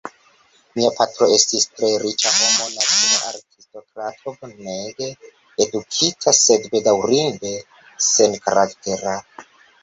Mia patro estis tre riĉa homo, natura aristokrato, bonege edukita, sed bedaŭrinde senkaraktera.